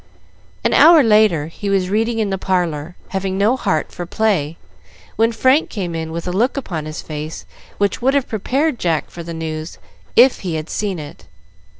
An hour later he was reading in the parlor, having no heart for play, when Frank came in with a look upon his face which would have prepared Jack for the news if he had seen it.